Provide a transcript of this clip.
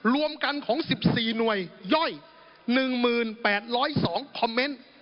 รวมกันของสิบสี่หน่วยย่อยหนึ่งหมื่นแปดร้อยสองคอมเมนต์